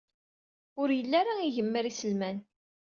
Ur yelli ara igemmer iselman.